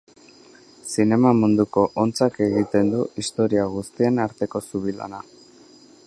Zinema munduko hontzak egiten du istorio guztien arteko zubi lana.